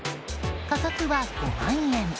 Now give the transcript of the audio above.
価格は５万円。